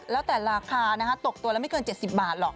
แล้วแต่ราคาตกตัวละไม่เกิน๗๐บาทหรอก